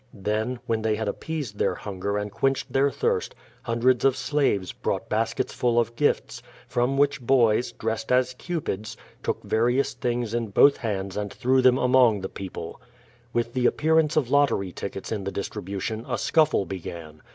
Then, when they had appeased their hunger and quenched their thirst, hundreds of slaves brought baskets full of gifts, from which boys, dressed as cupids, took various things in both hands and threw them among the people. 412 QVO VADtS. With the appearance of lottery tickets in the distributioi\, a scuffle began.